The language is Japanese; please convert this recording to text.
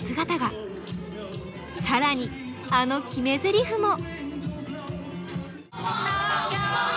更にあの決めゼリフも！